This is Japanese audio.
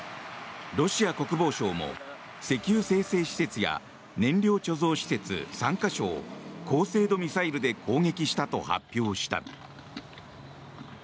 ロシア国防省も石油精製施設や燃料貯蔵施設３か所を高精度ミサイルで攻撃したと発表した。